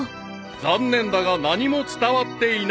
［残念だが何も伝わっていない］